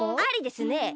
ありですね！